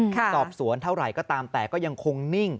สอบสวนเท่าไหร่ก็ตามแต่ก็ยังคงนิ่ง